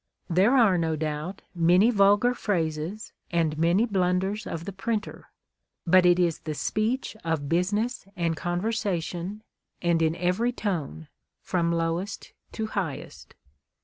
There are, no doubt, many vulgar phrases, and many blunders of the printer ; but it is the speech of business and con versation, and in every tone, from lowest to highest.